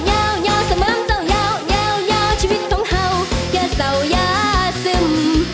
ยาวสมมติเจ้ายาวชีวิตท้องเผ่าก็เศร้ายสึม